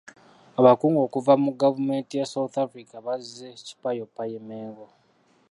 Abakungu okuva mu gavumenti ya South Africa bazze kipayoppayo e Mengo.